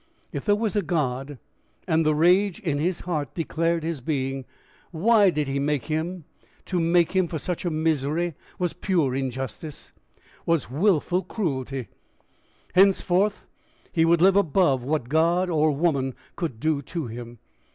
If there was a God and the rage in his heart declared his being why did he make him? To make him for such a misery was pure injustice, was willful cruelty! Henceforward he would live above what God or woman could do to him!